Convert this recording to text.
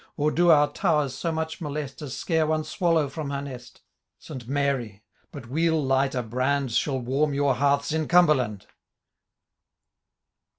Or do our towers so much molest. As scare one swallow from her nest, St. Mary I but well light a brand Shall warm your hearths in Cumberland.